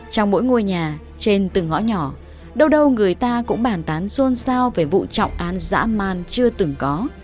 trong mỗi ngôi nhà trên từng ngõ nhỏ đâu đâu người ta cũng bàn tán xôn xao về vụ trọng án dã man chưa từng có